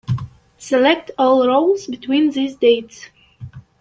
Select all rows between these dates.